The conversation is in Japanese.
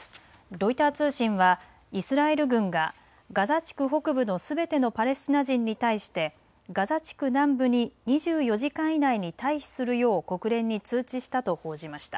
ロイター通信はイスラエル軍がガザ地区北部のすべてのパレスチナ人に対してガザ地区南部に２４時間以内に退避するよう国連に通知したと報じました。